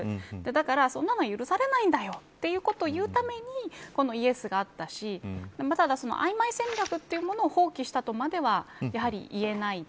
だから、そんなの許されないんだよということを言うためにこのイエスがあったし曖昧戦略というものを放棄したまではやはり言えない。